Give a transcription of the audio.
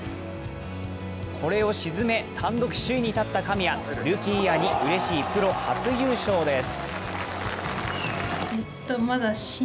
これを沈め、単独首位に立った神谷ルーキーイヤーに嬉しいプロ初優勝です。